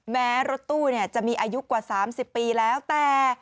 แม้รถตู้จะมีอายุกว่า๓๐ปีแล้วแต่